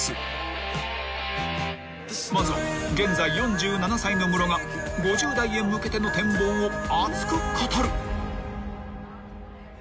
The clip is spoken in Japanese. ［まずは現在４７歳のムロが５０代へ向けての展望を熱く語る］